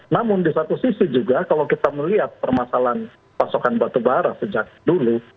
namun di satu sisi juga kalau kita melihat permasalahan pasokan batubara sejak dulu